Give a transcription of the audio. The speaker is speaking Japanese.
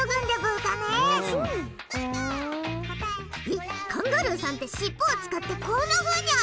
えっカンガルーさんって尻尾を使ってこんなふうに歩くの！？